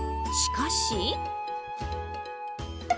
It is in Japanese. しかし。